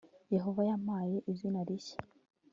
yehova yampaye izina rishya